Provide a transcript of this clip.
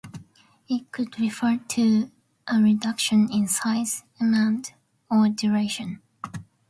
It could refer to a reduction in size, amount, or duration.